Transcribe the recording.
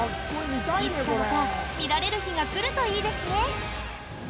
いつかまた見られる日が来るといいですね！